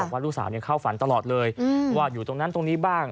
ว่าลูกสาวเข้าฝันตลอดเลยว่าอยู่ตรงนั้นตรงนี้บ้าง